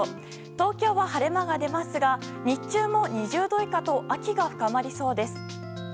東京は、晴れ間が出ますが日中も２０度以下と秋が深まりそうです。